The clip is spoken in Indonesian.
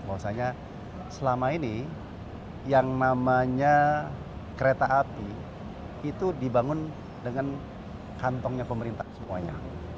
bahwasanya selama ini yang namanya kereta api itu dibangun dengan kantongnya pemerintah semuanya